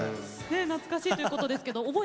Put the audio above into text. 懐かしいということですけど覚えてますか？